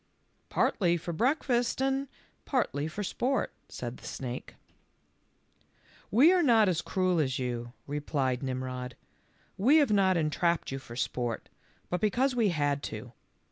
"Partly for breakfast and partly for sport," said the snake. "We are not as cruel as you," replied Nim rod ;" we have not entrapped you for sport, but because we had to.